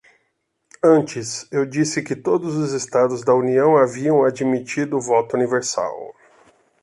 Antes, eu disse que todos os estados da União haviam admitido o voto universal.